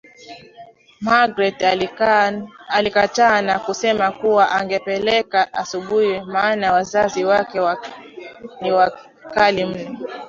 Magreth alikataa na kusema kuwa angempeleka asubuhi maana wazazi wake ni wakali mno